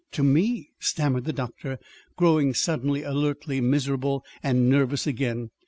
"To to me," stammered the doctor, growing suddenly alertly miserable and nervous again.